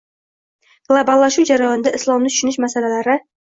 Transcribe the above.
Globallashuv jarayonida islomni tushunish masalalaring